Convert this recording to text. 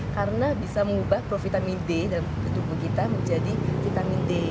karena bisa mengubah provitamin d dalam tubuh kita menjadi vitamin d